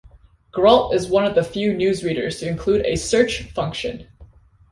GrabIt is one of the few newsreaders to include a search function.